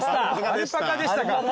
アルパカでしたか。